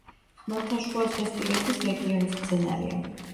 ხმელთაშუაზღვისპირეთის რეგიონის მცენარეა.